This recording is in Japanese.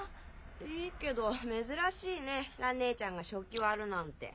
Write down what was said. いいけど珍しいね蘭ねえちゃんが食器割るなんて。